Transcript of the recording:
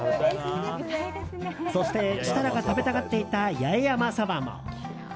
そして、設楽が食べたがっていた八重山そばも。